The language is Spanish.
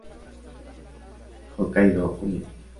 Hokkaido Univ.